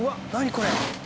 これ。